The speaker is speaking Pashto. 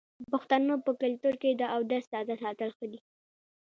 د پښتنو په کلتور کې د اودس تازه ساتل ښه دي.